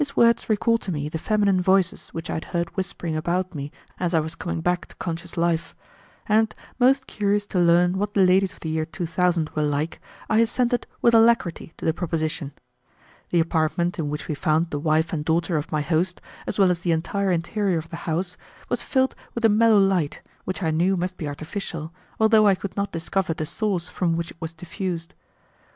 His words recalled to me the feminine voices which I had heard whispering about me as I was coming back to conscious life; and, most curious to learn what the ladies of the year 2000 were like, I assented with alacrity to the proposition. The apartment in which we found the wife and daughter of my host, as well as the entire interior of the house, was filled with a mellow light, which I knew must be artificial, although I could not discover the source from which it was diffused. Mrs.